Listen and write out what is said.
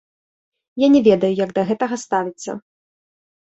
Я не ведаю, як да гэтага ставіцца.